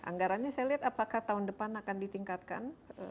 anggarannya saya lihat apakah tahun depan akan ditingkatkan